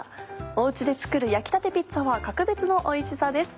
お家で作る焼きたてピッツァは格別のおいしさです。